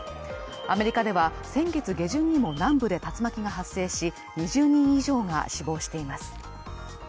アメリカでは先月下旬にも南部で竜巻が発生し２０人以上が死亡しています。